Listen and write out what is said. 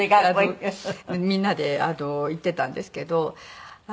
みんなで言っていたんですけど。